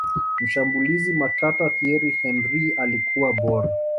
mshambulizi matata thiery henry alikuwa bora